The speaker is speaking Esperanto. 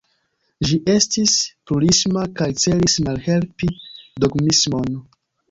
Ĝi estis plurisma kaj celis malhelpi dogmismon.